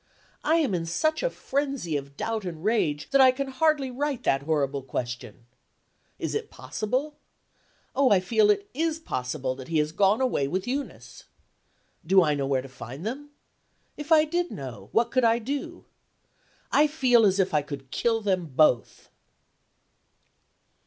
I am in such a frenzy of doubt and rage that I can hardly write that horrible question. Is it possible oh, I feel it is possible that he has gone away with Eunice. Do I know where to find them? if I did know, what could I do? I feel as if I could kill them both!